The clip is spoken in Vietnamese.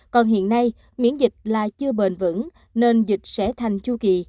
còn hiện nay miễn dịch là chưa bền vững nên dịch sẽ thành chu kỳ